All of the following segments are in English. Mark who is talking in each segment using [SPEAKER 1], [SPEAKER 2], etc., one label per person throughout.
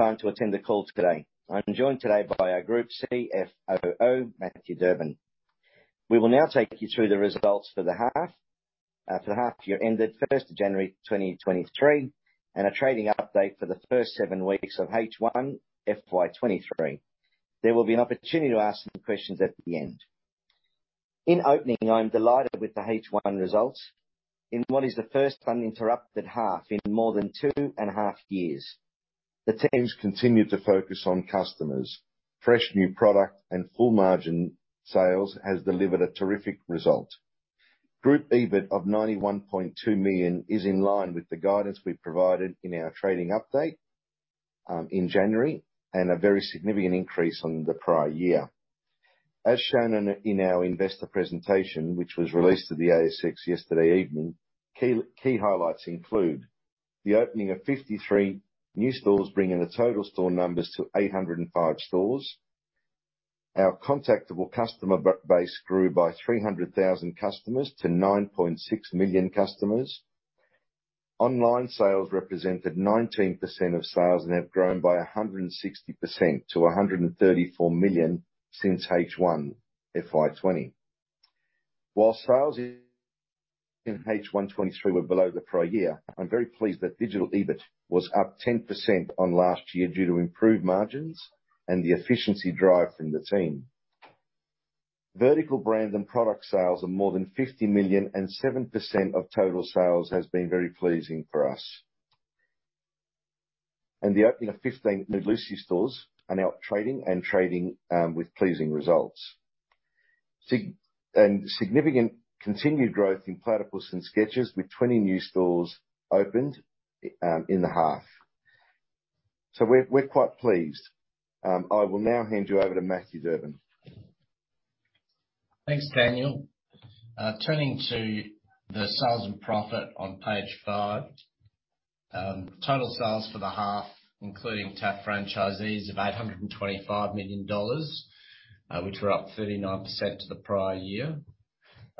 [SPEAKER 1] Time to attend the call today. I'm joined today by our Group CFO, Matthew Durbin. We will now take you through the results for the half for the half-year ended January 1, 2023, and a trading update for the first seven weeks of H1 FY23. There will be an opportunity to ask some questions at the end. In opening, I'm delighted with the H1 results, in what is the first uninterrupted half in more than two and a half years. The teams continue to focus on customers. Fresh new product and full-margin sales has delivered a terrific result. Group EBIT of 91.2 million is in line with the guidance we provided in our trading update in January, and a very significant increase on the prior year. As shown in our investor presentation, which was released to the ASX yesterday evening, key highlights include: The opening of 53 new stores, bringing the total store numbers to 805 stores. Our contactable customer base grew by 300,000 customers to 9.6 million customers. Online sales represented 19% of sales and have grown by 160% to 134 million since H1 FY20. While sales in H1 2023 were below the prior year, I'm very pleased that digital EBIT was up 10% on last year due to improved margins and the efficiency drive from the team. Vertical brands and product sales of more than 50 million and 7% of total sales has been very pleasing for us. The opening of 15 Nude Lucy stores are now trading, and trading, with pleasing results. Significant continued growth in Platypus and Skechers, with 20 new stores opened in the half. We're quite pleased. I will now hand you over to Matthew Durbin.
[SPEAKER 2] Thanks, Daniel. Turning to the sales and profit on page 5. Total sales for the half, including TAF franchisees of 825 million dollars, which were up 39% to the prior year.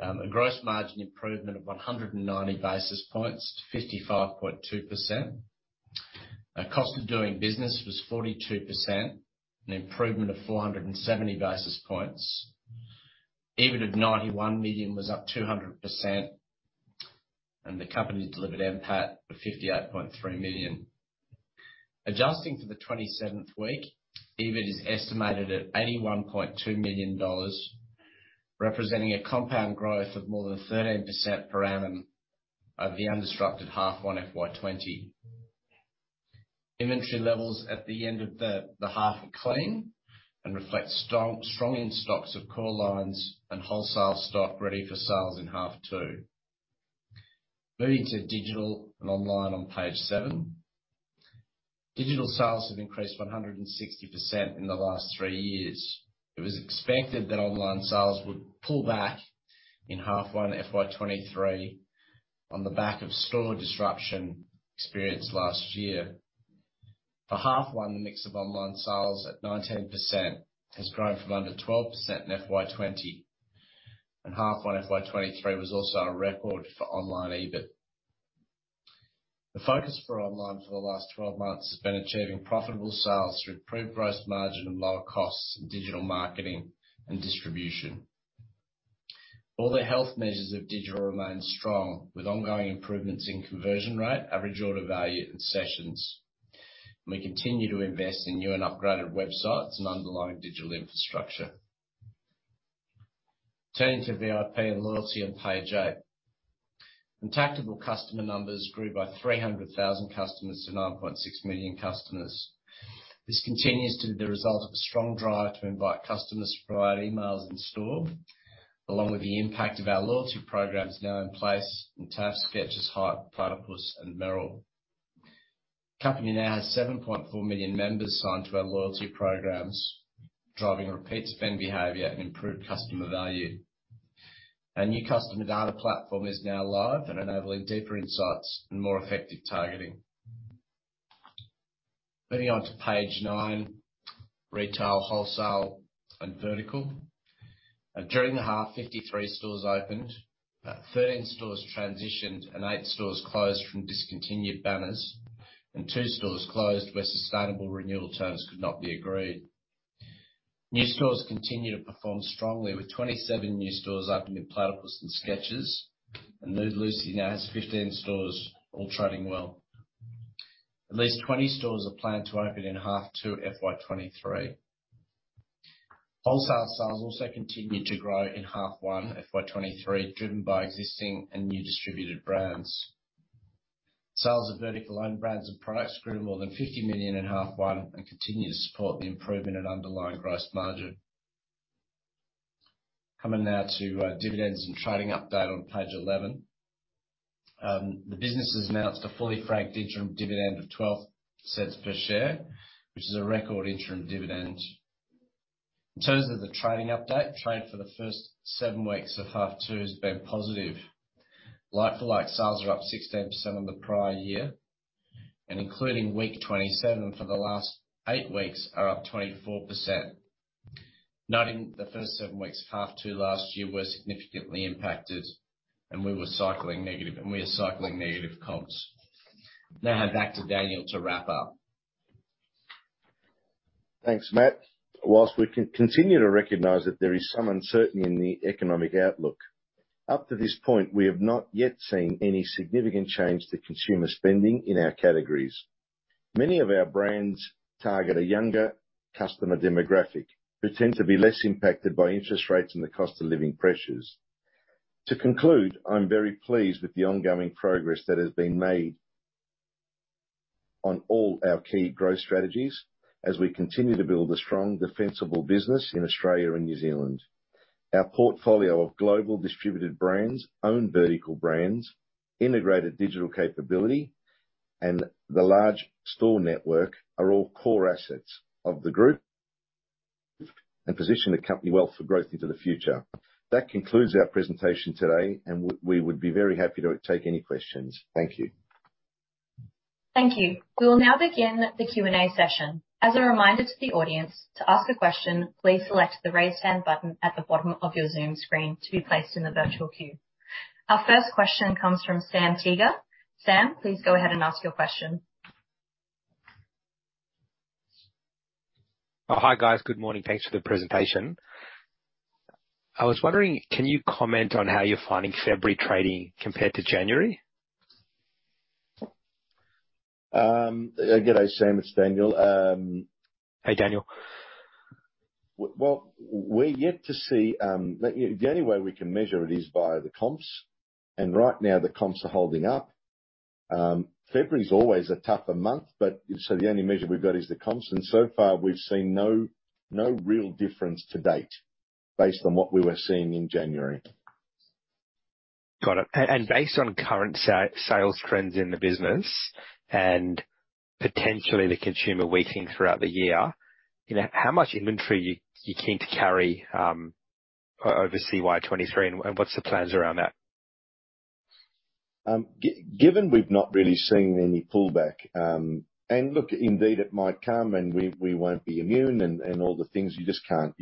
[SPEAKER 2] A gross margin improvement of 190 basis points to 55.2%. Our Cost of Doing Business was 42%, an improvement of 470 basis points. EBIT of 91 million was up 200% and the company delivered NPAT of 58.3 million. Adjusting for the 27th week, EBIT is estimated at 81.2 million dollars, representing a compound growth of more than 13% per annum of the undisrupted H1 FY20. Inventory levels at the end of the half are clean and reflect strong in-stocks of core lines and wholesale stock ready for sales in half two. Moving to digital and online on page 7. Digital sales have increased 160% in the last 3 years. It was expected that online sales would pull back in half one FY23 on the back of store disruption experienced last year. For half one, the mix of online sales at 19% has grown from under 12% in FY20. Half one FY23 was also a record for online EBIT. The focus for online for the last 12 months has been achieving profitable sales through improved gross margin and lower costs in digital marketing and distribution. All the health measures of digital remain strong, with ongoing improvements in conversion rate, average order value, and sessions. We continue to invest in new and upgraded websites and underlying digital infrastructure. Turning to VIP and loyalty on page 8. Contactable customer numbers grew by 300,000 customers to 9.6 million customers. This continues to be the result of a strong drive to invite customers to provide emails in store, along with the impact of our loyalty programs now in place in TAF, Skechers, Hype, Platypus and Merrell. Company now has 7.4 million members signed to our loyalty programs, driving repeat spend behavior and improved customer value. Our new customer data platform is now live and enabling deeper insights and more effective targeting. Moving on to page 9. Retail, wholesale, and vertical. During the half, 53 stores opened, 13 stores transitioned, and 8 stores closed from discontinued banners. 2 stores closed where sustainable renewal terms could not be agreed. New stores continue to perform strongly, with 27 new stores opening in Platypus and Skechers. Nude Lucy now has 15 stores all trading well. At least 20 stores are planned to open in half 2 FY23. Wholesale sales also continued to grow in half 1 FY23, driven by existing and new distributed brands. Sales of vertical own brands and products grew more than $50 million in half 1 and continue to support the improvement in underlying gross margin. Coming now to dividends and trading update on page 11. The business has announced a fully franked interim dividend of 12 cents per share, which is a record interim dividend. In terms of the trading update, trade for the first seven weeks of half 2 has been positive. Like-for-like sales are up 16% on the prior year, and including week 27, for the last 8 weeks are up 24%. Not in the first 7 weeks. Half 2 last year were significantly impacted and we were cycling negative, and we are cycling negative comps. Now back to Daniel to wrap up.
[SPEAKER 1] Thanks, Matt. Whilst we continue to recognize that there is some uncertainty in the economic outlook, up to this point, we have not yet seen any significant change to consumer spending in our categories. Many of our brands target a younger customer demographic who tend to be less impacted by interest rates and the cost of living pressures. To conclude, I'm very pleased with the ongoing progress that has been made on all our key growth strategies as we continue to build a strong defensible business in Australia and New Zealand. Our portfolio of global distributed brands, owned vertical brands, integrated digital capability, and the large store network are all core assets of the group and position the company well for growth into the future. That concludes our presentation today, and we would be very happy to take any questions. Thank you.
[SPEAKER 3] Thank you. We will now begin the Q&A session. As a reminder to the audience, to ask a question, please select the Raise Hand button at the bottom of your Zoom screen to be placed in the virtual queue. Our first question comes from Sam Teeger. Sam, please go ahead and ask your question.
[SPEAKER 4] Hi, guys. Good morning. Thanks for the presentation. I was wondering, can you comment on how you're finding February trading compared to January?
[SPEAKER 1] Good day, Sam, it's Daniel.
[SPEAKER 4] Hey, Daniel.
[SPEAKER 1] Well, we're yet to see. The only way we can measure it is via the comps. Right now the comps are holding up. February is always a tougher month. The only measure we've got is the comps. So far, we've seen no real difference to date based on what we were seeing in January.
[SPEAKER 4] Got it. Based on current sales trends in the business and potentially the consumer weakening throughout the year, you know, how much inventory are you keen to carry over CY 2023, and what's the plans around that?
[SPEAKER 1] Given we've not really seen any pullback, and look, indeed, it might come and we won't be immune and all the things you just can't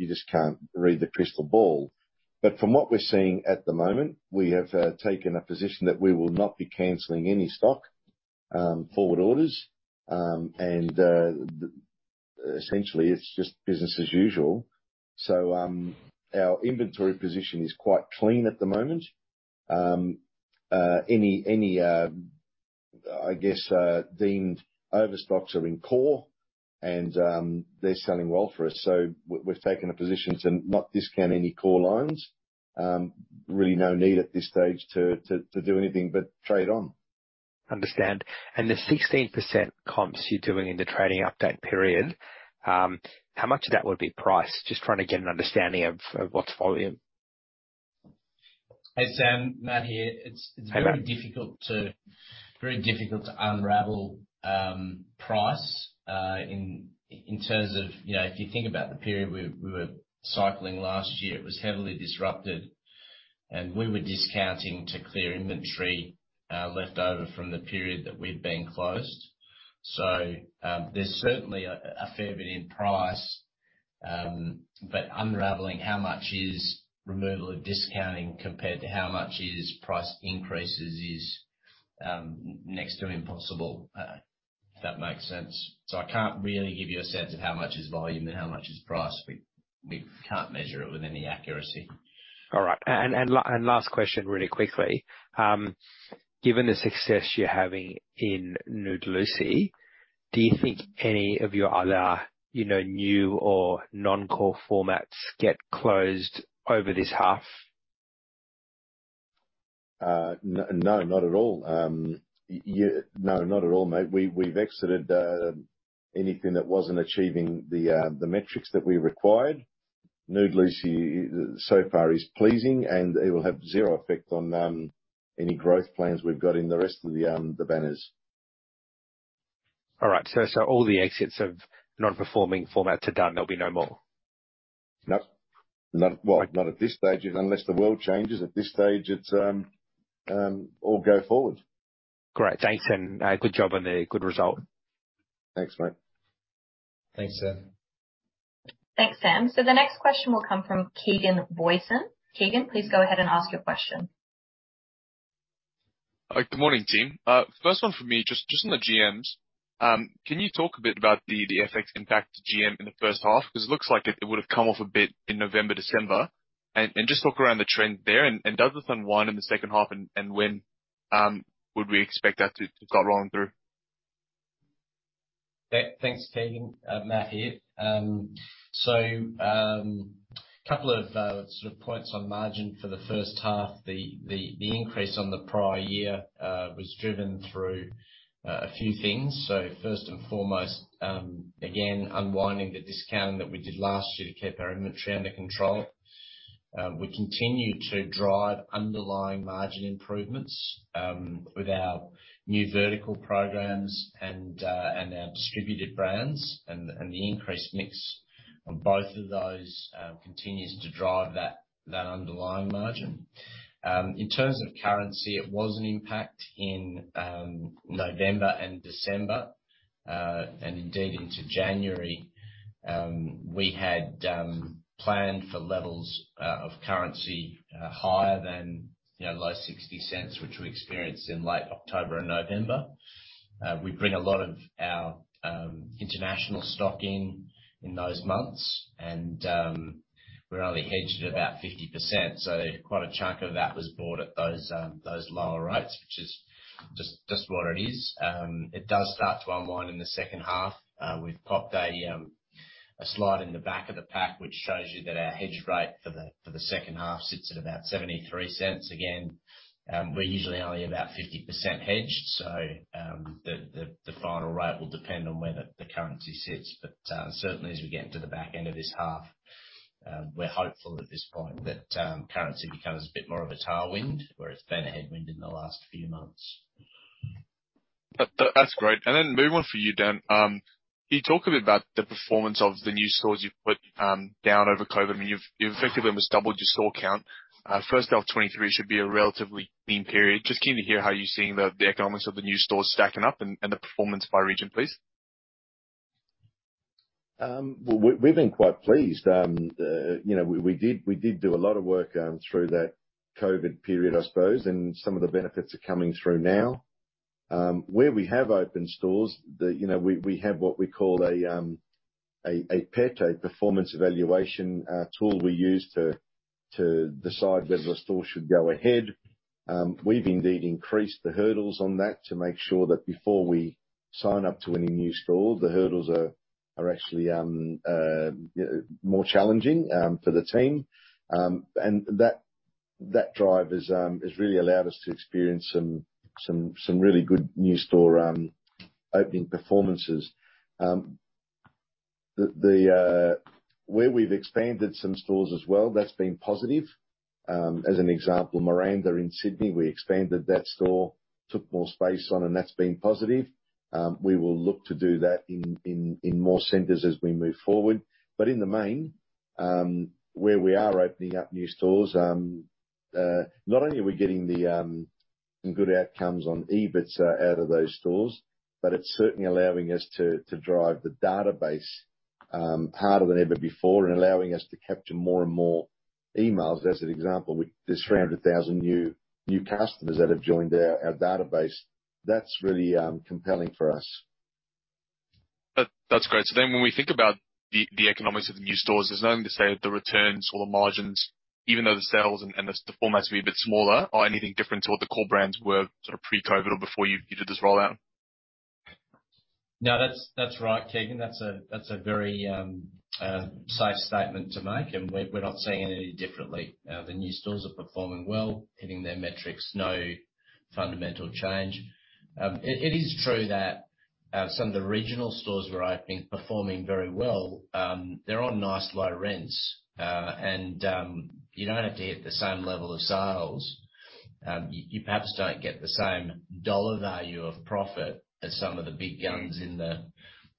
[SPEAKER 1] read the crystal ball. From what we're seeing at the moment, we have taken a position that we will not be canceling any stock, forward orders. Essentially it's just business as usual. Our inventory position is quite clean at the moment. Any, I guess, deemed overstocks are in core and they're selling well for us. We've taken a position to not discount any core lines. Really no need at this stage to do anything but trade on.
[SPEAKER 4] Understand. The 16% comps you're doing in the trading update period, how much of that would be price? Just trying to get an understanding of what's volume.
[SPEAKER 2] Hey, Sam. Matt here.
[SPEAKER 4] Hey, Matt.
[SPEAKER 2] It's very difficult to unravel price in terms of, you know, if you think about the period we were cycling last year, it was heavily disrupted. We were discounting to clear inventory left over from the period that we'd been closed. There's certainly a fair bit in price, but unraveling how much is removal of discounting compared to how much is price increases is next to impossible, if that makes sense. I can't really give you a sense of how much is volume and how much is price. We can't measure it with any accuracy.
[SPEAKER 4] All right. Last question really quickly. Given the success you're having in Nude Lucy, do you think any of your other, you know, new or non-core formats get closed over this half?
[SPEAKER 1] No, not at all. Yeah. No, not at all, mate. We've exited anything that wasn't achieving the metrics that we required. Nude Lucy so far is pleasing, and it will have zero effect on any growth plans we've got in the rest of the banners.
[SPEAKER 4] All right. All the exits of non-performing formats are done. There'll be no more.
[SPEAKER 1] No, not, well, not at this stage. Unless the world changes at this stage, it's all go forward.
[SPEAKER 4] Great. Thanks, and good job on the good result.
[SPEAKER 1] Thanks, mate.
[SPEAKER 2] Thanks, Sam.
[SPEAKER 3] Thanks, Sam. The next question will come from Keegan Booysen. Keegan, please go ahead and ask your question.
[SPEAKER 5] Good morning, team. First one for me, just on the GMs. Can you talk a bit about the FX impact to GM in the first half? 'Cause it looks like it would have come off a bit in November, December. Just talk around the trend there. Does this unwind in the second half and when would we expect that to go rolling through?
[SPEAKER 2] Thanks, Keegan. Matt here. Couple of sort of points on margin for the first half. The increase on the prior year was driven through a few things. First and foremost, again, unwinding the discounting that we did last year to keep our inventory under control. We continue to drive underlying margin improvements with our new vertical programs and our distributed brands. The increased mix on both of those continues to drive that underlying margin. In terms of currency, it was an impact in November and December. Indeed into January. We had planned for levels of currency higher than, you know, low $0.60, which we experienced in late October and November. We bring a lot of our international stock in those months. We're only hedged at about 50%. Quite a chunk of that was bought at those lower rates, which is just what it is. It does start to unwind in the second half. We've popped a slide in the back of the pack which shows you that our hedged rate for the second half sits at about 0.73. Again, we're usually only about 50% hedged, so the final rate will depend on where the currency sits. Certainly as we get into the back end of this half, we're hopeful at this point that currency becomes a bit more of a tailwind where it's been a headwind in the last few months.
[SPEAKER 5] That's great. Moving on for you, Dan. Can you talk a bit about the performance of the new stores you've put down over COVID? I mean, you've effectively almost doubled your store count. First of 2023 should be a relatively lean period. Just keen to hear how you're seeing the economics of the new stores stacking up and the performance by region, please.
[SPEAKER 1] Well, we've been quite pleased. You know, we did do a lot of work through that COVID period, I suppose, and some of the benefits are coming through now. Where we have opened stores that, you know, we have what we call a PET, a performance evaluation tool we use to decide whether a store should go ahead. We've indeed increased the hurdles on that to make sure that before we sign up to any new store, the hurdles are actually more challenging for the team. That drive has really allowed us to experience some really good new store opening performances. Where we've expanded some stores as well, that's been positive. As an example, Miranda in Sydney, we expanded that store, took more space on, and that's been positive. We will look to do that in more centers as we move forward. In the main, where we are opening up new stores, not only are we getting the some good outcomes on EBITs out of those stores, but it's certainly allowing us to drive the database harder than ever before and allowing us to capture more and more emails. As an example, There's 300,000 new customers that have joined our database. That's really compelling for us.
[SPEAKER 5] That's great. When we think about the economics of the new stores, there's nothing to say that the returns or the margins, even though the sales and the formats may be a bit smaller, are anything different to what the core brands were sort of pre-COVID or before you did this rollout.
[SPEAKER 2] No, that's right, Keegan. That's a, that's a very safe statement to make, and we're not seeing it any differently. The new stores are performing well, hitting their metrics, no fundamental change. It is true that some of the regional stores we're opening performing very well, they're on nice low rents. You don't have to hit the same level of sales. You perhaps don't get the same dollar value of profit as some of the big guns in the,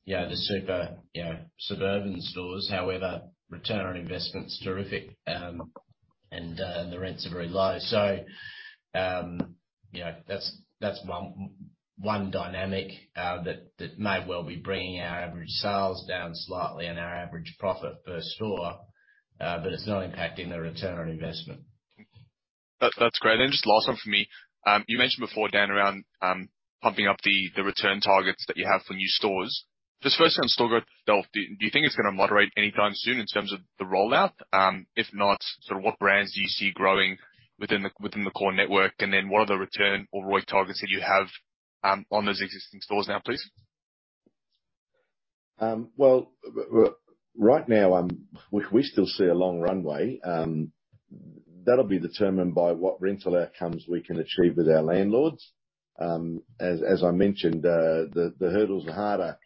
[SPEAKER 2] you know, the super, you know, suburban stores. However, return on investment's terrific. The rents are very low. You know, that's one dynamic that may well be bringing our average sales down slightly and our average profit per store, but it's not impacting the return on investment.
[SPEAKER 5] That's great. Just last one from me. You mentioned before, Dan, around pumping up the return targets that you have for new stores. Just firsthand store growth itself, do you think it's gonna moderate anytime soon in terms of the rollout? If not, sort of what brands do you see growing within the core network? What are the return or ROI targets that you have on those existing stores now, please?
[SPEAKER 1] Well, right now, we still see a long runway. That'll be determined by what rental outcomes we can achieve with our landlords. As I mentioned, the hurdles are harder.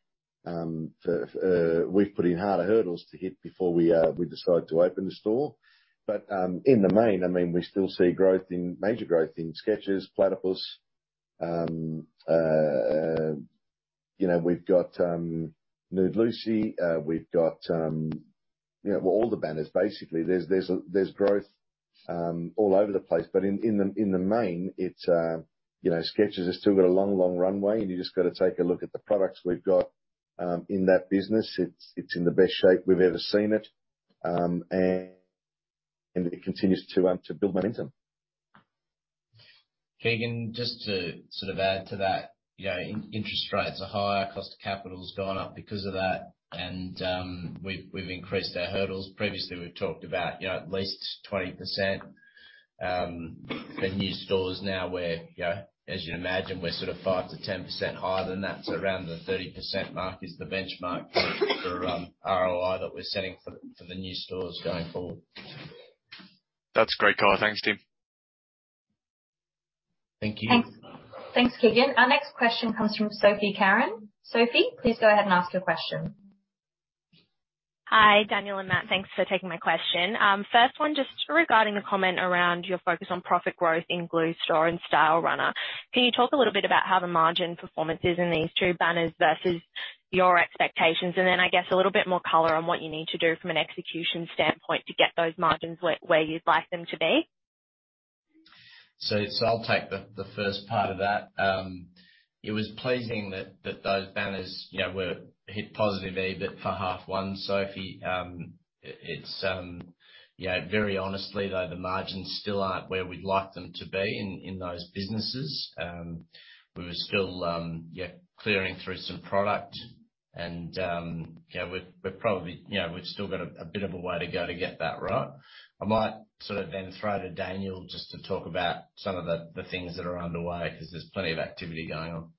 [SPEAKER 1] We've put in harder hurdles to hit before we decide to open the store. In the main, I mean, we still see growth in major growth in Skechers, Platypus. You know, we've got Nude Lucy. We've got, you know, well, all the banners basically. There's growth all over the place. In the main, it's, you know, Skechers has still got a long, long runway. You just gotta take a look at the products we've got in that business. It's in the best shape we've ever seen it. It continues to build momentum.
[SPEAKER 2] Keegan, just to sort of add to that, you know, in-interest rates are higher, cost of capital's gone up because of that. We've increased our hurdles. Previously, we've talked about, you know, at least 20%. The new stores now we're, you know, as you'd imagine, we're sort of 5%-10% higher than that. So around the 30% mark is the benchmark for ROI that we're setting for the new stores going forward.
[SPEAKER 5] That's great color. Thanks, team.
[SPEAKER 2] Thank you.
[SPEAKER 3] Thanks. Thanks, Keegan. Our next question comes from Sophie Carran. Sophie, please go ahead and ask your question.
[SPEAKER 6] Hi, Daniel and Matt. Thanks for taking my question. First one, just regarding the comment around your focus on profit growth in Glue Store and Stylerunner. Can you talk a little bit about how the margin performance is in these two banners versus your expectations? I guess a little bit more color on what you need to do from an execution standpoint to get those margins where you'd like them to be.
[SPEAKER 2] I'll take the first part of that. It was pleasing that those banners, you know, were hit positive EBIT for half one, Sophie. It's, you know, very honestly though, the margins still aren't where we'd like them to be in those businesses. We were still, yeah, clearing through some product and, you know, we're probably, you know, we've still got a bit of a way to go to get that right. I might sort of throw to Daniel just to talk about some of the things that are underway, 'cause there's plenty of activity going on.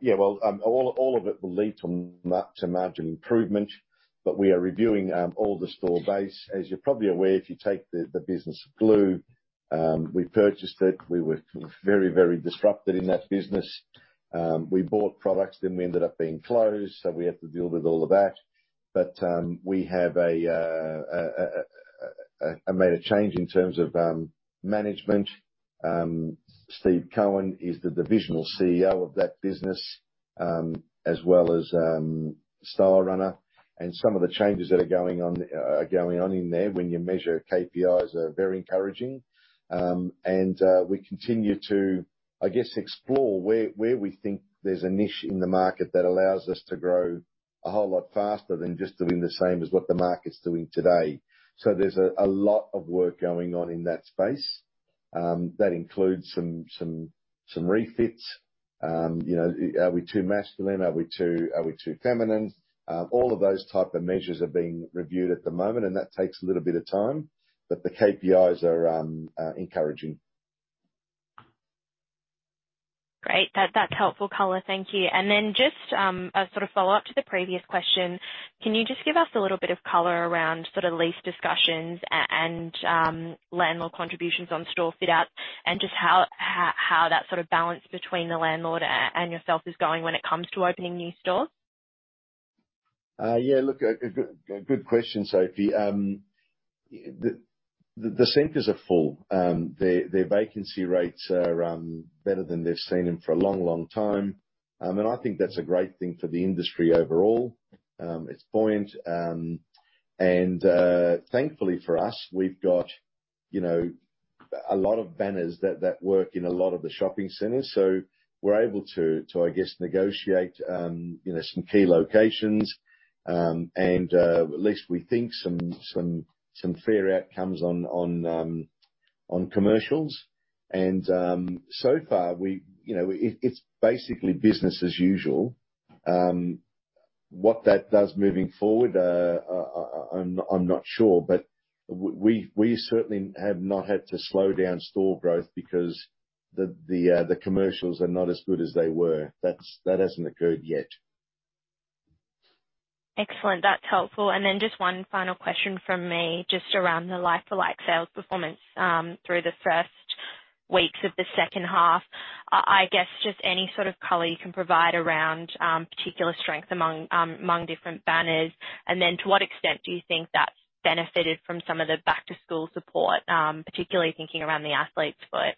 [SPEAKER 1] Yeah, well, all of it will lead to margin improvement. We are reviewing all the store base. As you're probably aware, if you take the business of Glue Store, we purchased it. We were very disrupted in that business. We bought products, then we ended up being closed, so we had to deal with all of that. We have a made a change in terms of management. Steve Cohen is the Divisional CEO of that business, as well as Stylerunner. Some of the changes that are going on in there when you measure KPIs are very encouraging. We continue to, I guess, explore where we think there's a niche in the market that allows us to grow a whole lot faster than just doing the same as what the market's doing today. There's a lot of work going on in that space that includes some refits. You know, are we too masculine? Are we too feminine? All of those type of measures are being reviewed at the moment, and that takes a little bit of time. The KPIs are encouraging.
[SPEAKER 6] Great. That's helpful color. Thank you. Then just a sort of follow-up to the previous question. Can you just give us a little bit of color around sort of lease discussions and landlord contributions on store fit-outs, and just how that sort of balance between the landlord and yourself is going when it comes to opening new stores?
[SPEAKER 1] Yeah, look, a good question, Sophie Carran. The centers are full. Their vacancy rates are better than they've seen them for a long, long time. I think that's a great thing for the industry overall. It's buoyant. Thankfully for us, we've got, you know, a lot of banners that work in a lot of the shopping centers. We're able to, I guess, negotiate, you know, some key locations, at least we think some fair outcomes on commercials. So far, you know, it's basically business as usual. What that does moving forward, I'm not sure. We certainly have not had to slow down store growth because the commercials are not as good as they were. That's, that hasn't occurred yet.
[SPEAKER 6] Excellent. That's helpful. Just one final question from me, just around the like-for-like sales performance through the first weeks of the second half. I guess just any sort of color you can provide around particular strength among different banners. To what extent do you think that's benefited from some of the back to school support, particularly thinking around The Athlete's Foot?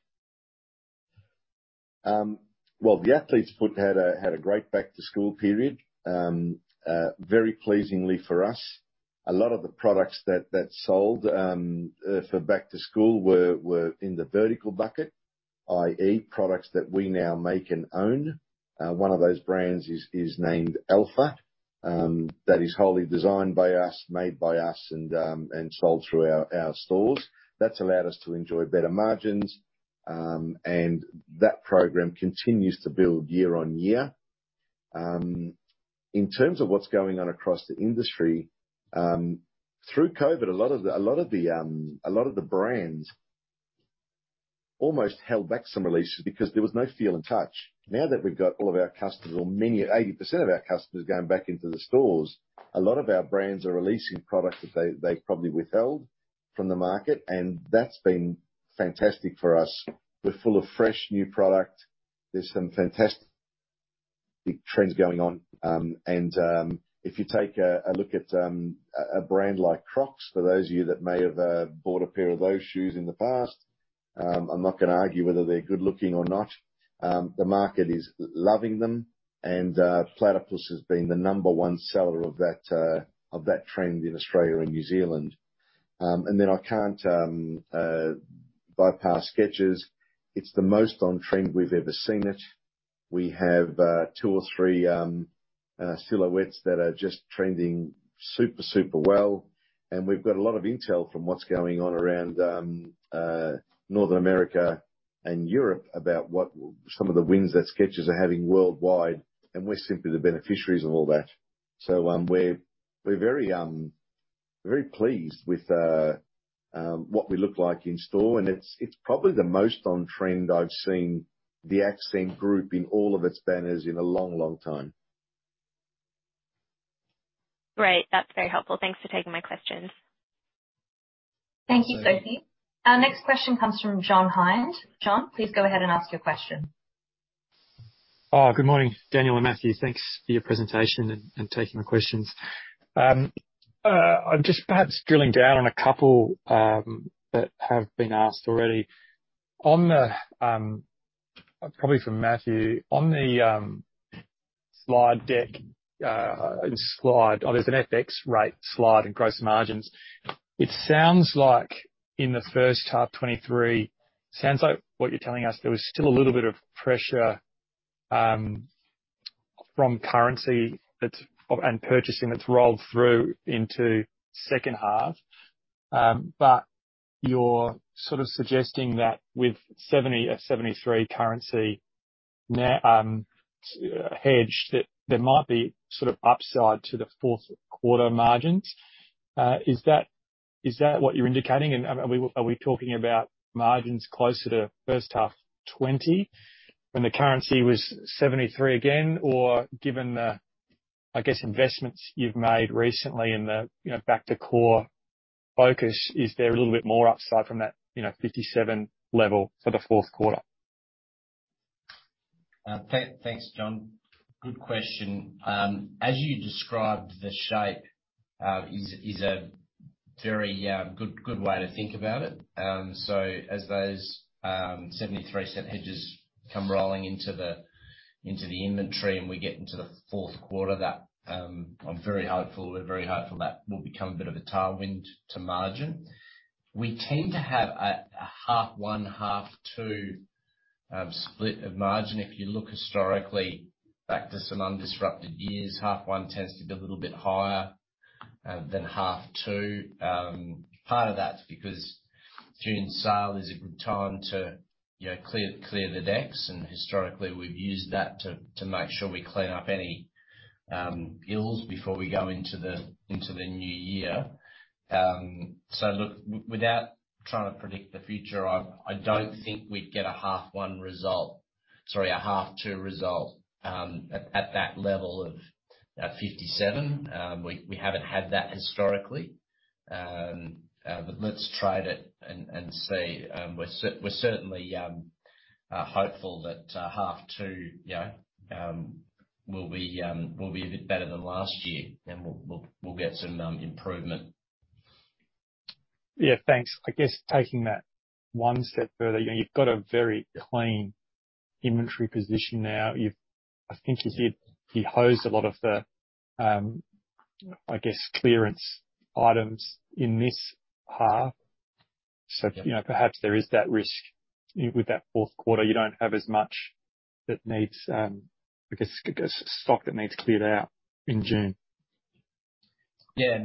[SPEAKER 1] Well, The Athlete's Foot had a great back to school period. Very pleasingly for us. A lot of the products that sold for back to school were in the vertical bucket, i.e., products that we now make and own. One of those brands is named Alpha. That is wholly designed by us, made by us, and sold through our stores. That's allowed us to enjoy better margins, and that program continues to build year on year. In terms of what's going on across the industry, through COVID, a lot of the brands almost held back some releases because there was no feel and touch. Now that we've got all of our customers, or 80% of our customers going back into the stores, a lot of our brands are releasing products that they probably withheld from the market. That's been fantastic for us. We're full of fresh new product. There's some fantastic trends going on. If you take a look at a brand like Crocs, for those of you that may have bought a pair of those shoes in the past, I'm not gonna argue whether they're good looking or not. The market is loving them. Platypus has been the number 1 seller of that trend in Australia and New Zealand. I can't bypass Skechers. It's the most on-trend we've ever seen it. We have 2 or 3 silhouettes that are just trending super well. We've got a lot of intel from what's going on around Northern America and Europe about what some of the wins that Skechers are having worldwide. We're simply the beneficiaries of all that. We're very pleased with what we look like in store. It's probably the most on-trend I've seen the Accent Group in all of its banners in a long, long time.
[SPEAKER 6] Great. That's very helpful. Thanks for taking my questions.
[SPEAKER 3] Thank you. Thank you, Sophie. Our next question comes from John Hynd. John, please go ahead and ask your question.
[SPEAKER 7] Good morning, Daniel and Matthew. Thanks for your presentation and taking the questions. I'm just perhaps drilling down on a couple that have been asked already. On the Slide deck, there's an FX rate slide in gross margins. It sounds like in the first half 2023, sounds like what you're telling us, there was still a little bit of pressure from currency that's and purchasing that's rolled through into second half. You're sort of suggesting that with $0.70, $0.73 currency now, hedged, that there might be sort of upside to the fourth quarter margins. Is that what you're indicating? Are we talking about margins closer to first half 2020 when the currency was $0.73 again? Given the, I guess, investments you've made recently in the, you know, back to core focus, is there a little bit more upside from that, you know, 57 level for the fourth quarter?
[SPEAKER 2] Thanks, John. Good question. As you described, the shape is a very good way to think about it. As those 0.73 hedges come rolling into the inventory, and we get into the fourth quarter that, I'm very hopeful, we're very hopeful that will become a bit of a tailwind to margin. We tend to have a half one, half two split of margin. If you look historically back to some undisrupted years, half one tends to be a little bit higher than half two. Part of that's because June sale is a good time to, you know, clear the decks, and historically we've used that to make sure we clean up any ills before we go into the new year. Look, without trying to predict the future, I don't think we'd get a half two result, at that level of 57. We haven't had that historically. Let's trade it and see. We're certainly hopeful that half two, you know, will be a bit better than last year and we'll get some improvement.
[SPEAKER 7] Yeah, thanks. I guess taking that one step further, you know, you've got a very clean inventory position now. You hosed a lot of the, I guess, clearance items in this half.
[SPEAKER 2] Yeah.
[SPEAKER 7] you know, perhaps there is that risk with that fourth quarter, you don't have as much that needs, I guess, stock that needs cleared out in June.
[SPEAKER 2] Yeah.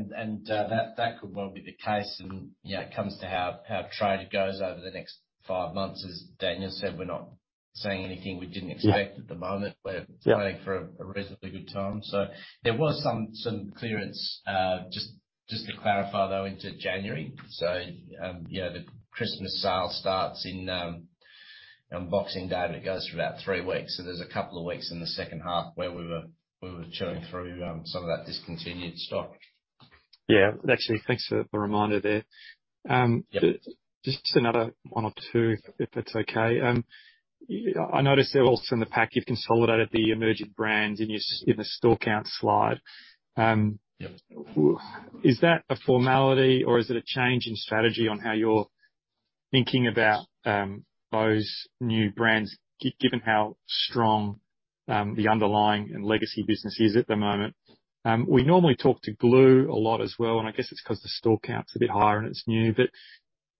[SPEAKER 2] That could well be the case and, you know, it comes to how trade goes over the next five months. As Daniel said, we're not seeing anything we didn't expect at the moment.
[SPEAKER 7] Yeah.
[SPEAKER 2] We're planning for a reasonably good time. There was some clearance, just to clarify though, into January. you know, the Christmas sale starts in on Boxing Day, but it goes for about three weeks. There's a couple of weeks in the second half where we were churning through some of that discontinued stock.
[SPEAKER 7] Yeah. Actually, thanks for the reminder there. Just another one or two if that's okay. I noticed that also in the pack you've consolidated the emerging brands in the store count slide. Is that a formality or is it a change in strategy on how you're thinking about those new brands given how strong the underlying and legacy business is at the moment? We normally talk to Glue a lot as well, and I guess it's 'cause the store count's a bit higher and it's new.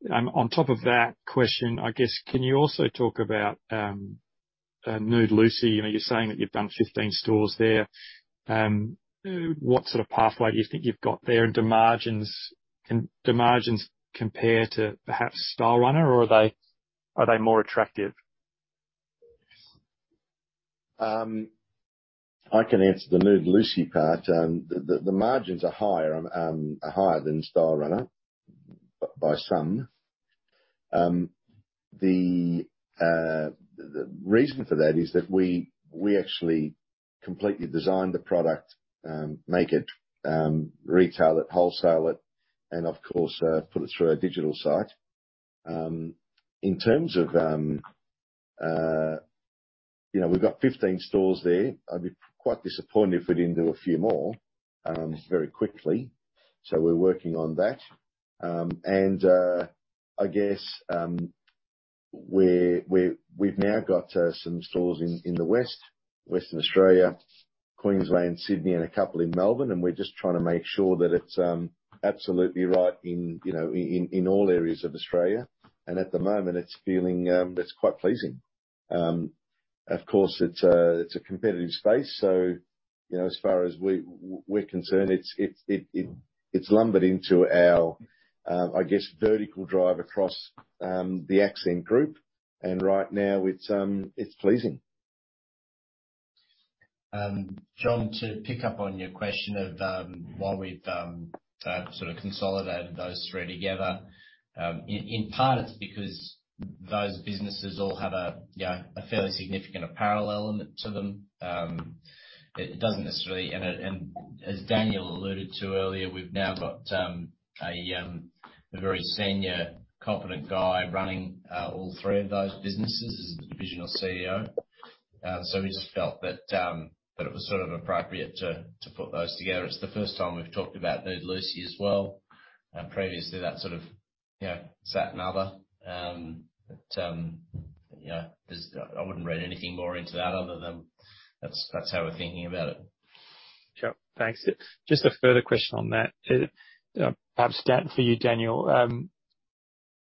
[SPEAKER 7] On top of that question, I guess can you also talk about Nude Lucy? You know, you're saying that you've done 15 stores there. What sort of pathway do you think you've got there? Do margins compare to perhaps Stylerunner or are they more attractive?
[SPEAKER 1] I can answer the Nude Lucy part. The margins are higher, are higher than Stylerunner by some. The reason for that is that we actually completely design the product, make it, retail it, wholesale it and of course, put it through our digital site. In terms of, you know, we've got 15 stores there. I'd be quite disappointed if we didn't do a few more very quickly. We're working on that. I guess we've now got some stores in the west, Western Australia, Queensland, Sydney and a couple in Melbourne, and we're just trying to make sure that it's absolutely right in, you know, in all areas of Australia. At the moment it's feeling quite pleasing. Of course, it's a, it's a competitive space, so, you know, as far as we're concerned, it's lumbered into our, I guess, vertical drive across the Accent Group. Right now it's pleasing.
[SPEAKER 2] John, to pick up on your question of why we've consolidated those three together. In part it's because those businesses all have a, you know, a fairly significant apparel element to them. As Daniel alluded to earlier, we've now got a very senior competent guy running all three of those businesses as the divisional CEO. We just felt that it was appropriate to put those together. It's the first time we've talked about Nude Lucy as well. Previously that. Yeah. It's that and other. Yeah, I wouldn't read anything more into that other than that's how we're thinking about it.
[SPEAKER 7] Sure. Thanks. Just a further question on that. Perhaps that for you, Daniel.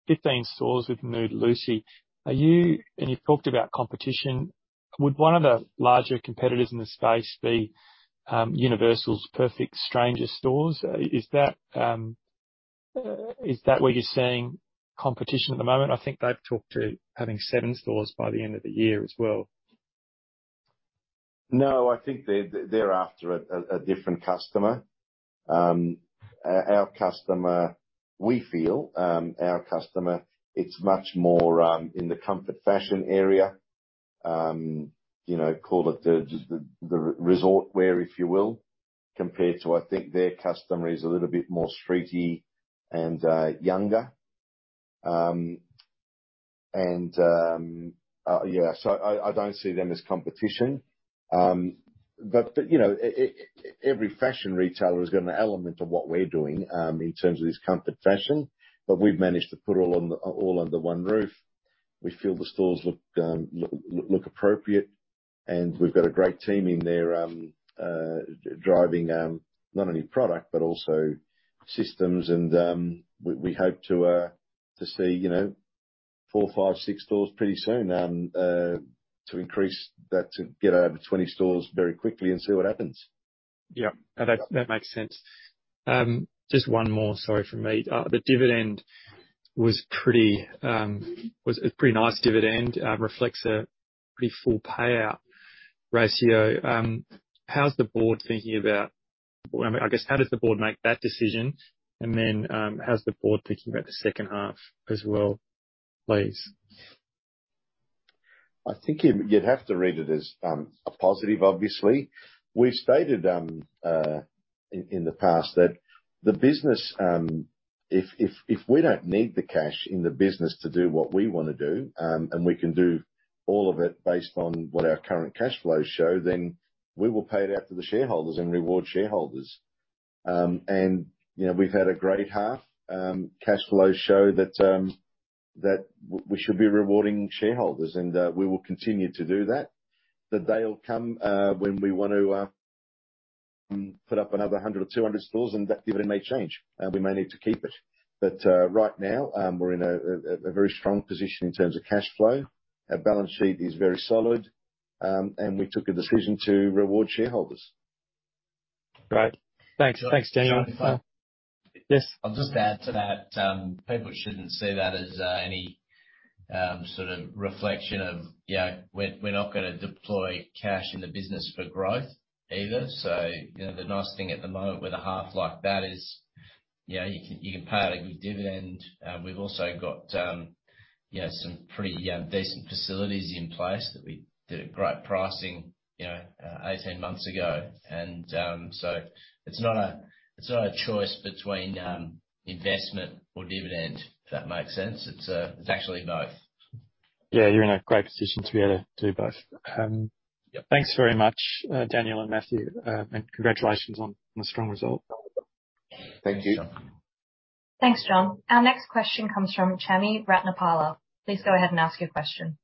[SPEAKER 7] 15 stores with Nude Lucy. You've talked about competition. Would one of the larger competitors in the space be Universal's Perfect Stranger stores? Is that where you're seeing competition at the moment? I think they've talked to having seven stores by the end of the year as well.
[SPEAKER 1] No, I think they're after a different customer. Our customer, we feel, our customer, it's much more in the comfort/fashion area. You know, call it the resort wear, if you will, compared to I think their customer is a little bit more streety and younger. Yeah. I don't see them as competition. You know, every fashion retailer has got an element of what we're doing in terms of this comfort fashion, but we've managed to put all under one roof. We feel the stores look appropriate, and we've got a great team in there driving not only product, but also systems. We, we hope to see, you know, 4, 5, 6 stores pretty soon, to increase that to get over 20 stores very quickly and see what happens.
[SPEAKER 7] Yeah. That, that makes sense. Just one more, sorry, from me. The dividend was pretty, was a pretty nice dividend. Reflects a pretty full payout ratio. I guess, how does the board make that decision? How's the board thinking about the second half as well placed?
[SPEAKER 1] I think you'd have to read it as a positive, obviously. We've stated in the past that the business, if we don't need the cash in the business to do what we wanna do, and we can do all of it based on what our current cash flows show, then we will pay it out to the shareholders and reward shareholders. You know, we've had a great half. Cash flows show that we should be rewarding shareholders, and we will continue to do that. The day will come when we want to put up another 100 or 200 stores and that dividend may change, and we may need to keep it. Right now, we're in a very strong position in terms of cash flow. Our balance sheet is very solid, and we took a decision to reward shareholders.
[SPEAKER 7] Great. Thanks. Thanks, Daniel.
[SPEAKER 2] John, if I-
[SPEAKER 7] Yes.
[SPEAKER 2] I'll just add to that. People shouldn't see that as any sort of reflection of, you know, we're not gonna deploy cash in the business for growth either. You know, the nice thing at the moment with a half like that is, you know, you can, you can pay out a good dividend. We've also got, you know, some pretty decent facilities in place that we did at great pricing, you know, 18 months ago. It's not a, it's not a choice between investment or dividend, if that makes sense. It's actually both.
[SPEAKER 7] Yeah. You're in a great position to be able to do both.
[SPEAKER 2] Yeah.
[SPEAKER 7] Thanks very much, Daniel and Matthew, and congratulations on the strong result.
[SPEAKER 1] Thank you.
[SPEAKER 3] Thanks, John. Our next question comes from Chamithri Ratnapala. Please go ahead and ask your question.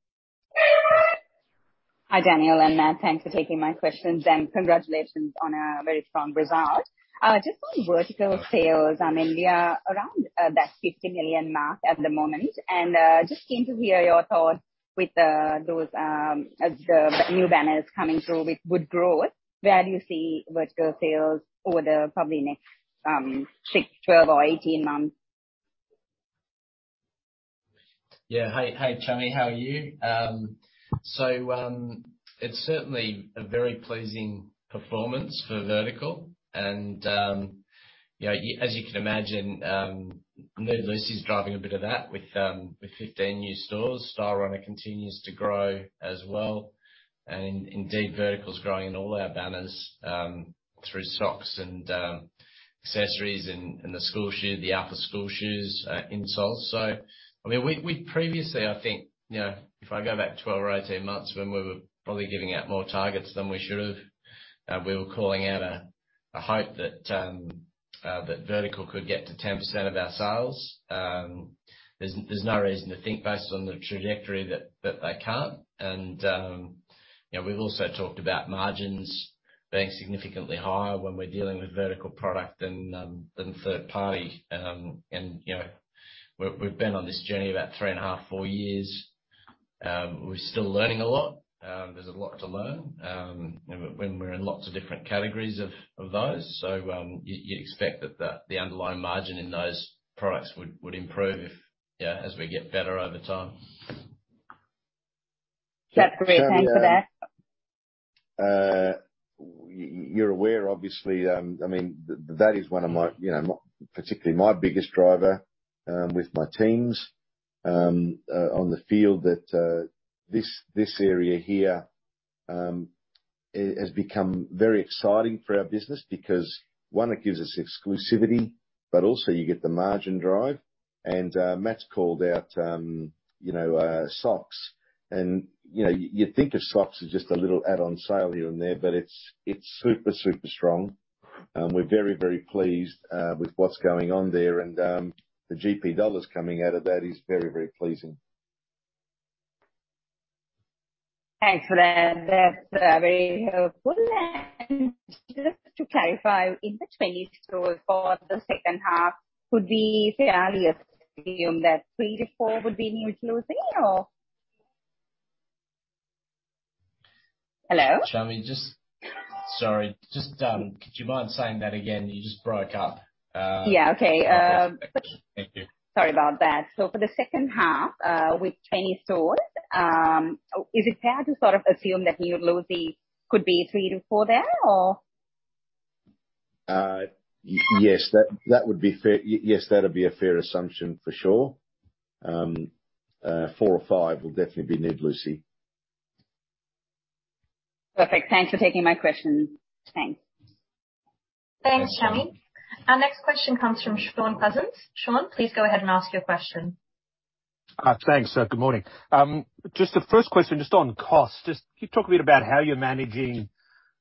[SPEAKER 8] Hi, Daniel and Matt. Thanks for taking my questions, and congratulations on a very strong result. Just on vertical sales, I mean, we are around that 50 million mark at the moment. Just keen to hear your thoughts with those the new banners coming through with good growth. Where do you see vertical sales over the probably next six, 12 or 18 months?
[SPEAKER 2] Yeah. Hey, Chami. How are you? It's certainly a very pleasing performance for vertical and, you know, as you can imagine, Nude Lucy is driving a bit of that with 15 new stores. Stylerunner continues to grow as well. Indeed, vertical is growing in all our banners through socks and accessories and the school shoe, the upper school shoes, insoles. I mean, we previously, I think, you know, if I go back 12 or 18 months when we were probably giving out more targets than we should have, we were calling out a hope that vertical could get to 10% of our sales. There's no reason to think based on the trajectory that they can't. You know, we've also talked about margins being significantly higher when we're dealing with vertical product than third party. You know, we've been on this journey about three and a half, four years. We're still learning a lot. There's a lot to learn when we're in lots of different categories of those. You'd expect that the underlying margin in those products would improve if, yeah, as we get better over time.
[SPEAKER 8] That's great. Thanks for that.
[SPEAKER 1] Chami, you're aware, obviously, I mean, that is one of my, you know, not particularly my biggest driver with my teams on the field that this area here has become very exciting for our business because, one, it gives us exclusivity, but also you get the margin drive. Matthew's called out, you know, socks and, you know, you think of socks as just a little add-on sale here and there, but it's super strong. We're very, very pleased with what's going on there. The GP AUD coming out of that is very, very pleasing.
[SPEAKER 8] Thanks for that. That's very helpful. Just to clarify, in the 20 stores for the second half, could we fairly assume that 3 to 4 would be Nude Lucy or... Hello?
[SPEAKER 2] Chami, Sorry, just, could you mind saying that again? You just broke up.
[SPEAKER 8] Yeah. Okay.
[SPEAKER 2] Thank you.
[SPEAKER 8] Sorry about that. For the second half, with 20 stores, is it fair to sort of assume that Nude Lucy could be 3-4 there or?
[SPEAKER 1] Yes, that would be fair. Yes, that'd be a fair assumption for sure. four or five will definitely be Nude Lucy.
[SPEAKER 8] Perfect. Thanks for taking my question. Thanks.
[SPEAKER 3] Thanks. Thanks, Chami. Our next question comes from Shaun Cousins. Sean, please go ahead and ask your question.
[SPEAKER 9] Thanks. Good morning. Just the first question, just on cost. Just can you talk a bit about how you're managing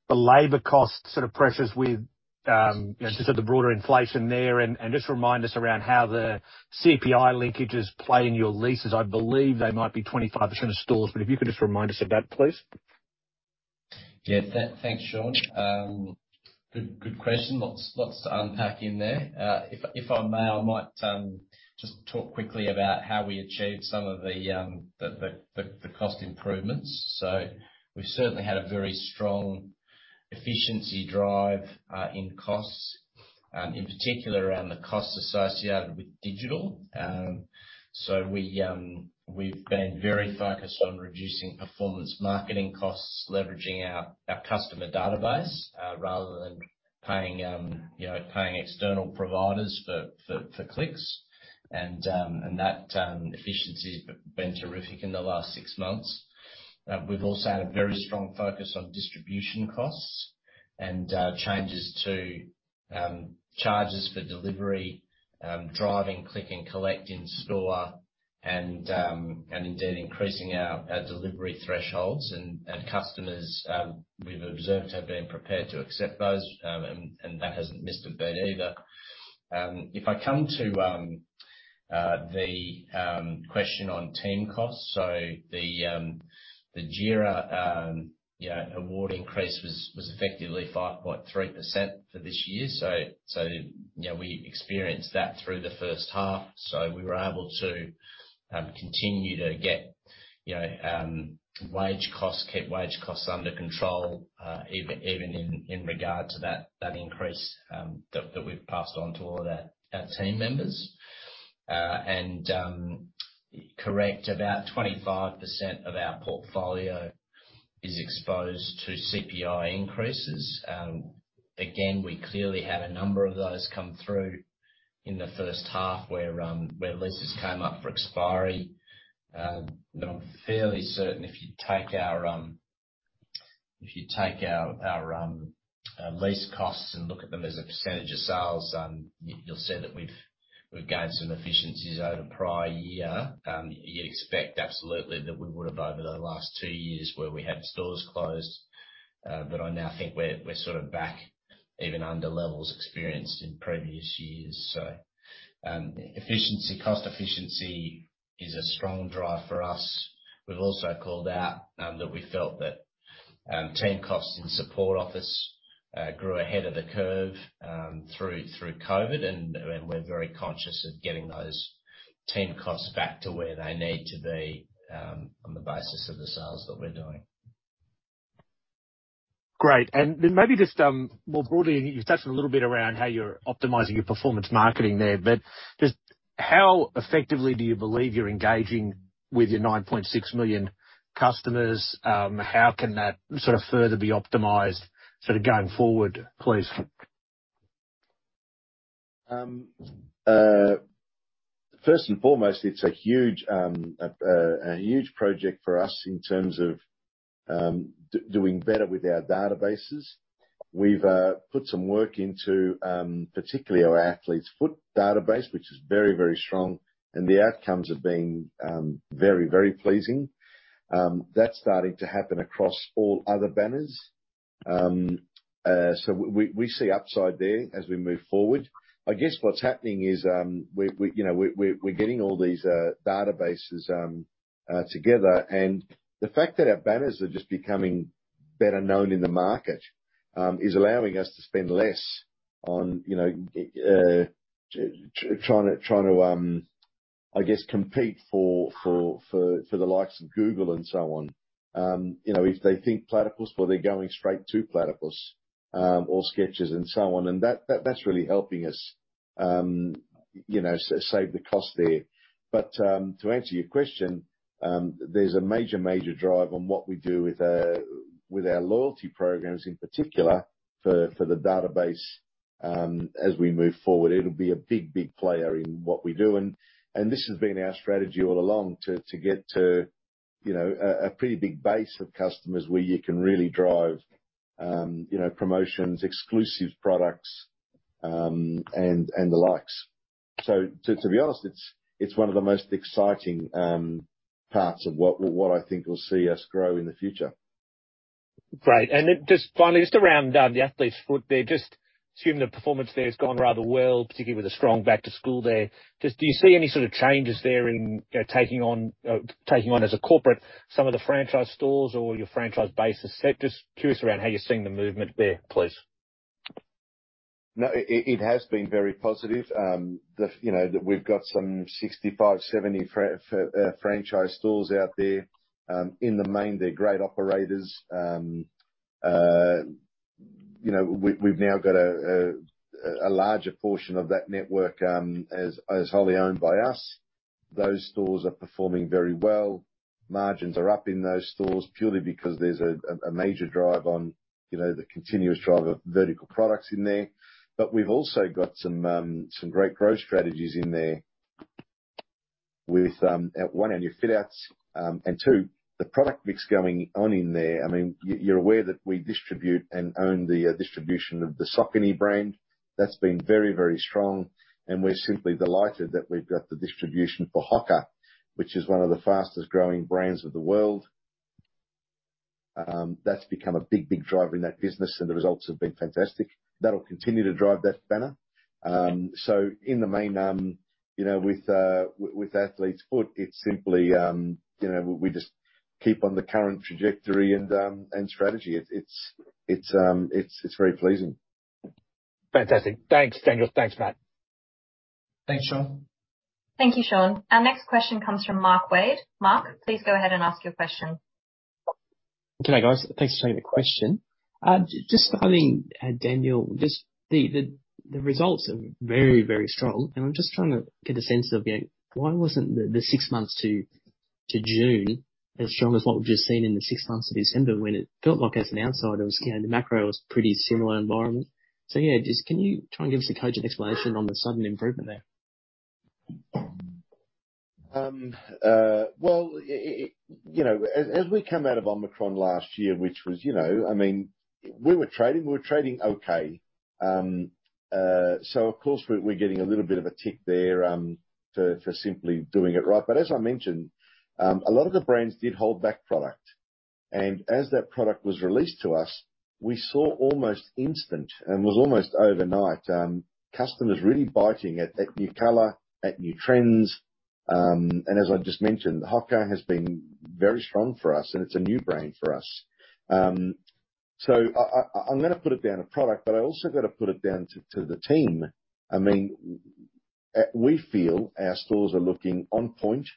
[SPEAKER 9] the labor cost sort of pressures with, you know, just with the broader inflation there? Just remind us around how the CPI linkages play in your leases. I believe they might be 25% of stores, but if you could just remind us of that, please.
[SPEAKER 2] Yeah. Thanks, Shaun. Good question. Lots to unpack in there. If I may, I might just talk quickly about how we achieved some of the cost improvements. We've certainly had a very strong efficiency drive in costs, in particular around the costs associated with digital. We've been very focused on reducing performance marketing costs, leveraging our customer database, rather than paying, you know, paying external providers for clicks. That efficiency's been terrific in the last six months. We've also had a very strong focus on distribution costs and changes to charges for delivery, driving click and collect in store and indeed increasing our delivery thresholds. And customers, we've observed, have been prepared to accept those. That hasn't missed a beat either. If I come to the question on team costs. The GRIA, you know, award increase was effectively 5.3% for this year. You know, we experienced that through the first half. We were able to continue to get, you know, wage costs, keep wage costs under control, even in regard to that increase that we've passed on to all of our team members. Correct, about 25% of our portfolio is exposed to CPI increases. Again, we clearly had a number of those come through in the first half where leases came up for expiry. I'm fairly certain if you take our lease costs and look at them as a percentage of sales, you'll see that we've gained some efficiencies over the prior year. You'd expect absolutely that we would have over the last two years where we had stores closed. I now think we're sort of back even under levels experienced in previous years. Efficiency, cost efficiency is a strong drive for us. We've also called out that we felt that team costs in support office grew ahead of the curve through COVID. I mean, we're very conscious of getting those team costs back to where they need to be on the basis of the sales that we're doing.
[SPEAKER 9] Great. Then maybe just, more broadly, you've touched a little bit around how you're optimizing your performance marketing there, just how effectively do you believe you're engaging with your 9.6 million customers? How can that sort of further be optimized sort of going forward, please?
[SPEAKER 1] First and foremost, it's a huge, a huge project for us in terms of doing better with our databases. We've put some work into particularly our Athlete's Foot database, which is very, very strong, and the outcomes have been very, very pleasing. That's starting to happen across all other banners. So we see upside there as we move forward. I guess what's happening is, we, you know, we're getting all these databases together. The fact that our banners are just becoming better known in the market is allowing us to spend less on, you know, tryna, I guess compete for the likes of Google and so on. you know, if they think Platypus, well, they're going straight to Platypus, or Skechers and so on. That's really helping us, you know, save the cost there. To answer your question, there's a major drive on what we do with our loyalty programs in particular for the database as we move forward. It'll be a big, big player in what we do. This has been our strategy all along to get to, you know, a pretty big base of customers where you can really drive, you know, promotions, exclusive products. The likes. To be honest, it's one of the most exciting parts of what I think will see us grow in the future.
[SPEAKER 9] Great. Just finally, just around The Athlete's Foot there. Just assuming the performance there has gone rather well, particularly with a strong back to school there. Just do you see any sort of changes there in, you know, taking on as a corporate some of the franchise stores or your franchise base? Just curious around how you're seeing the movement there, please.
[SPEAKER 1] No, it has been very positive. You know, that we've got some 65, 70 franchise stores out there. In the main, they're great operators. You know, we've now got a larger portion of that network as wholly owned by us. Those stores are performing very well. Margins are up in those stores purely because there's a major drive on, you know, the continuous drive of vertical products in there. We've also got some great growth strategies in there with at one end, your fill outs, and two, the product mix going on in there. I mean, you're aware that we distribute and own the distribution of the Saucony brand. That's been very, very strong, and we're simply delighted that we've got the distribution for Hoka, which is one of the fastest growing brands of the world. That's become a big, big driver in that business, and the results have been fantastic. That'll continue to drive that banner. In the main, you know, with Athlete's Foot, it's simply, you know, we just keep on the current trajectory and strategy. It's very pleasing.
[SPEAKER 9] Fantastic. Thanks, Daniel. Thanks, Matt.
[SPEAKER 2] Thanks, Shaun.
[SPEAKER 3] Thank you, Sean. Our next question comes from Mark Wade. Mark, please go ahead and ask your question.
[SPEAKER 7] G'day, guys. Thanks for taking the question. Just starting, Daniel, the results are very strong. I'm just trying to get a sense of, you know, why wasn't the 6 months to June as strong as what we've just seen in the 6 months to December when it felt like as an outsider was, you know, the macro was pretty similar environment. Yeah, just can you try and give us a cogent explanation on the sudden improvement there?
[SPEAKER 1] Well, it, you know, as we come out of Omicron last year, which was, you know, I mean, we were trading okay. Of course we're getting a little bit of a tick there, for simply doing it right. As I mentioned, a lot of the brands did hold back product. As that product was released to us, we saw almost instant, and was almost overnight, customers really biting at that new color, at new trends. As I just mentioned, Hoka has been very strong for us, and it's a new brand for us. I'm gonna put it down to product, but I also got to put it down to the team. I mean, we feel our stores are looking on point.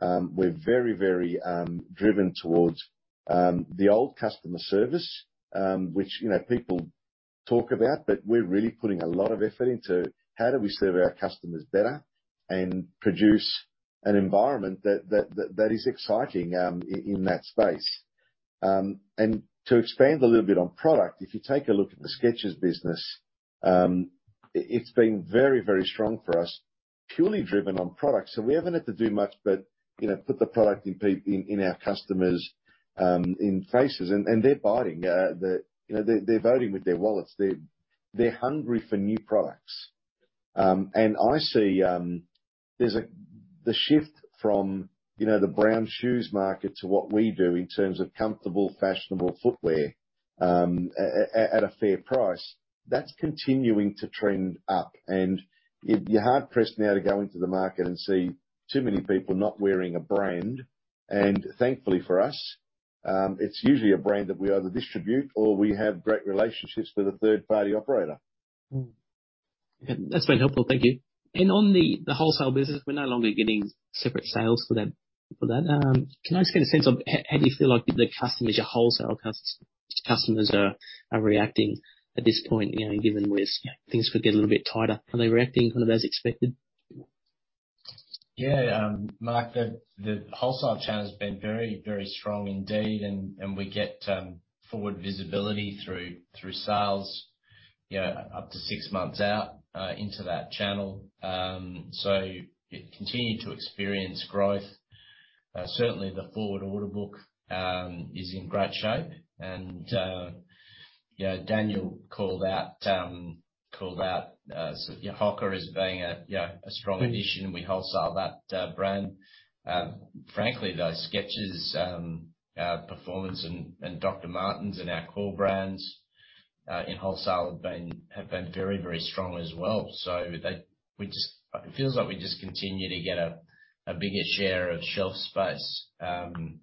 [SPEAKER 1] We're very driven towards the old customer service, which, you know, people talk about, but we're really putting a lot of effort into how do we serve our customers better and produce an environment that is exciting in that space. To expand a little bit on product, if you take a look at the Skechers business, it's been very strong for us, purely driven on product. We haven't had to do much but, you know, put the product in in our customers in faces. They're biting. You know, they're voting with their wallets. They're hungry for new products. I see, there's the shift from, you know, the brown shoes market to what we do in terms of comfortable, fashionable footwear, at a fair price that's continuing to trend up. You're hard-pressed now to go into the market and see too many people not wearing a brand. Thankfully for us, it's usually a brand that we either distribute or we have great relationships with a third-party operator.
[SPEAKER 7] That's been helpful. Thank you. On the wholesale business, we're no longer getting separate sales for that. Can I just get a sense of how do you feel like the customers, your wholesale customers are reacting at this point, you know, given with, you know, things could get a little bit tighter? Are they reacting kind of as expected?
[SPEAKER 2] Yeah, Mark, the wholesale channel has been very, very strong indeed and we get forward visibility through sales, you know, up to 6 months out into that channel. It continued to experience growth. Certainly the forward order book is in great shape. Daniel called out Hoka as being a, you know, a strong addition, and we wholesale that brand. Frankly, those Skechers performance and Dr. Martens and our core brands in wholesale have been very, very strong as well. It feels like we just continue to get a bigger share of shelf space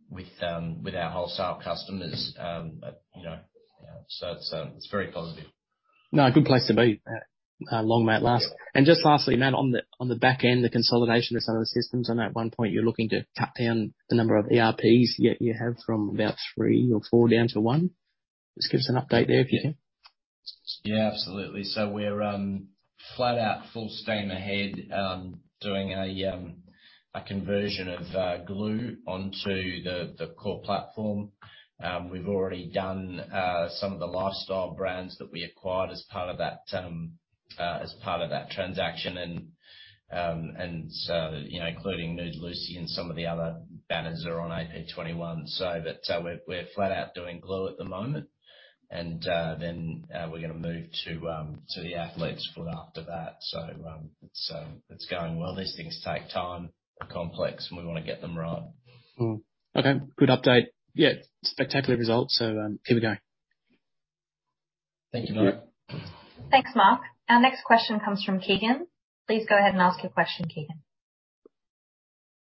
[SPEAKER 2] with our wholesale customers. You know, it's very positive.
[SPEAKER 7] No, good place to be, long, Matt, last. Just lastly, Matt, on the, on the back end, the consolidation of some of the systems. I know at one point you're looking to cut down the number of ERPs you have from about 3 or 4 down to 1. Just give us an update there if you can.
[SPEAKER 2] Yeah, absolutely. We're flat out full steam ahead doing a conversion of Glue Store onto the core platform. We've already done some of the lifestyle brands that we acquired as part of that as part of that transaction, you know, including Nude Lucy and some of the other banners that are on AP twenty-one. We're flat out doing Glue Store at the moment. We're gonna move to The Athlete's Foot after that. It's going well. These things take time. They're complex, and we wanna get them right.
[SPEAKER 7] Okay, good update. Yeah, spectacular results, keep it going.
[SPEAKER 2] Thank you, Mark.
[SPEAKER 3] Thanks, Mark. Our next question comes from Keegan. Please go ahead and ask your question, Keegan.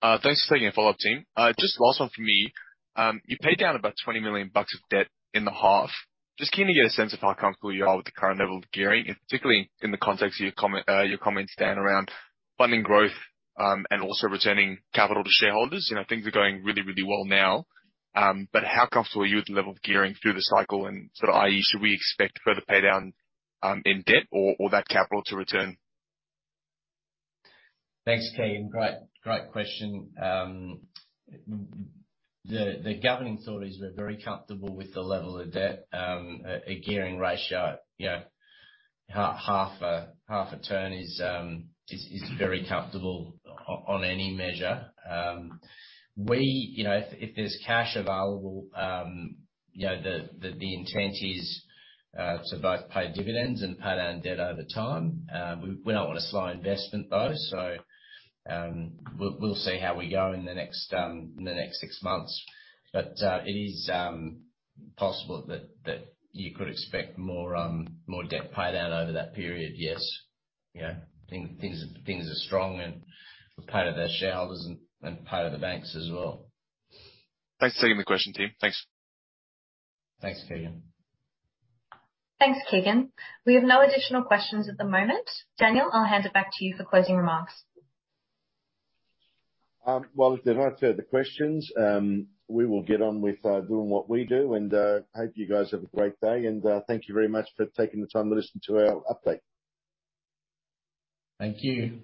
[SPEAKER 5] Thanks for taking a follow-up, team. Just last one from me. You paid down about 20 million bucks of debt in the half. Just keen to get a sense of how comfortable you are with the current level of gearing, and particularly in the context of your comments, Dan, around funding growth, and also returning capital to shareholders. You know, things are going really, really well now, but how comfortable are you with the level of gearing through the cycle and sort of, i.e., should we expect further pay down in debt or that capital to return?
[SPEAKER 2] Thanks, Keegan. Great question. The governing thought is we're very comfortable with the level of debt. A gearing ratio, you know, half a, half a turn is very comfortable on any measure. You know, if there's cash available, you know, the intent is to both pay dividends and pay down debt over time. We don't wanna slow investment though. We'll see how we go in the next 6 months. It is possible that you could expect more debt paid down over that period, yes. You know, things are strong and we pay to their shareholders and pay to the banks as well.
[SPEAKER 5] Thanks. Thank you for the question, team. Thanks.
[SPEAKER 2] Thanks, Keegan.
[SPEAKER 3] Thanks, Keegan. We have no additional questions at the moment. Daniel, I'll hand it back to you for closing remarks.
[SPEAKER 1] Well, if there are no further questions, we will get on with doing what we do. Hope you guys have a great day and thank you very much for taking the time to listen to our update. Thank you.